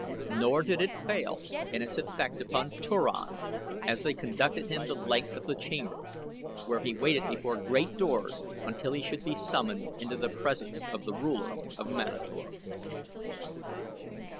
Nor did it fail in its effect upon Turan as they conducted him the length of the chamber, where he waited before great doors until he should be summoned into the presence of the ruler of Manator.